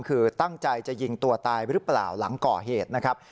คือตั้งใจจะยิงตัวตายหรือเปล่าหลังก่อเหตุนะครับ